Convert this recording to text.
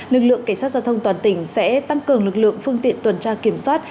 lực lượng cảnh sát giao thông toàn tỉnh sẽ tăng cường lực lượng phương tiện tuần tra kiểm soát